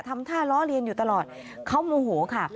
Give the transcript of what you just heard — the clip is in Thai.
ทำท่าล้อเลียนอยู่ตลอดเขาโมโหค่ะ